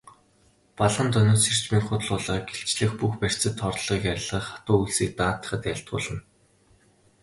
Балгандонойн сэржмийг худал хулгайг илчлэх, бүх барцад хорлолыг арилгах, хатуу үйлсийг даатгахад айлтгуулна.